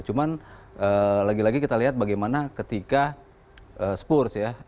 cuman lagi lagi kita lihat bagaimana ketika spurs ya